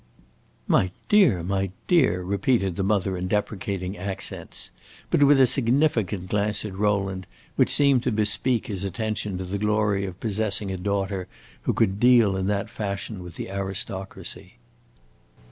"My dear, my dear!" repeated the mother in deprecating accents, but with a significant glance at Rowland which seemed to bespeak his attention to the glory of possessing a daughter who could deal in that fashion with the aristocracy.